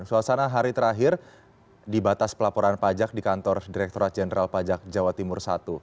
suasana hari terakhir dibatas pelaporan pajak di kantor direkturat jenderal pajak jawa timur satu